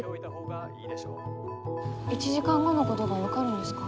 １時間後のごとが分かるんですか？